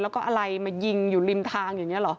แล้วก็อะไรมายิงอยู่ริมทางอย่างนี้เหรอ